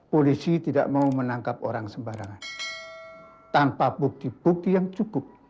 polisi tidak mau menangkap orang sembarangan tanpa bukti bukti yang cukup